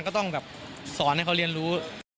ก็ต้องแบบสอนให้เขาเรียนรู้